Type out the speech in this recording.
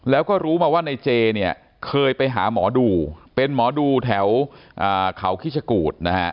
แล้วก็รู้มาว่านายเจ้าเคยไปหาหมอดูเป็นหมอดูแถวเขาคิชกู